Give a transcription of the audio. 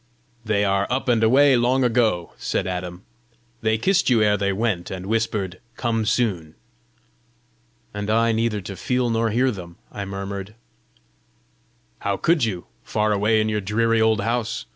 "They are up and away long ago," said Adam. "They kissed you ere they went, and whispered, 'Come soon.'" "And I neither to feel nor hear them!" I murmured. "How could you far away in your dreary old house!